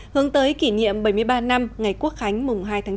hướng tới kỷ niệm bảy mươi ba năm ngày quốc khánh mùng hai tháng chín